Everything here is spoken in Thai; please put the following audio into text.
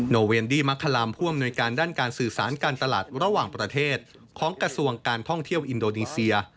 เวนดี้มคลามผู้อำนวยการด้านการสื่อสารการตลาดระหว่างประเทศของกระทรวงการท่องเที่ยวอินโดนีเซีย